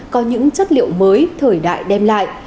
có những chất liệu mới thời đại đem lại